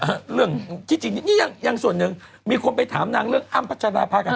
คือจริงนี่งั้นส่วนนึงมีคนไปถามนางเรื่องอัมรับผู้ชาญพระกัน